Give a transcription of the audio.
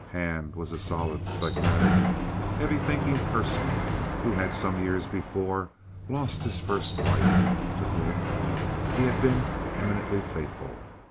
Hand was a solid, phlegmatic, heavy thinking person who had some years before lost his first wife, to whom he had been eminently faithful.